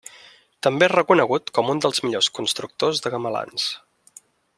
També és reconegut com un dels millors constructors de gamelans.